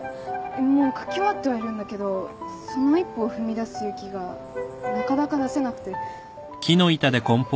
もう描き終わってはいるんだけどその一歩を踏み出す勇気がなかなか出せなくて。